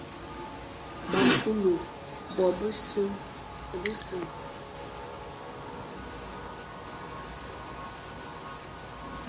Ba kule bo bese nseñ,